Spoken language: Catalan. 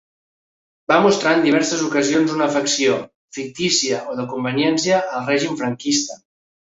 Va mostrar en diverses ocasions una afecció –fictícia o de conveniència– al règim franquista.